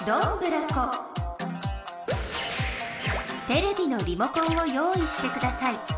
テレビのリモコンを用意してください。